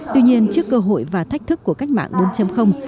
tuy nhiên trước cơ hội và thách thức của cách mạng bốn